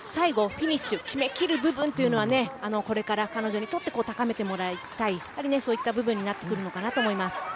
フィニッシュ決めきる部分というのはこれから彼女にとって高めてもらいたいそういった部分になるかなと思います。